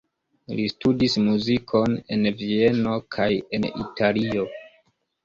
Li studis muzikon en Vieno kaj en Italio.